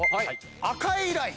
赤いライン。